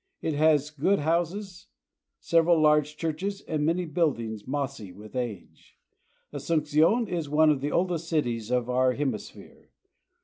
It has good houses, several large churches, and many buildings mossy with age. Asuncion is one of the oldest cities of our hemisphere.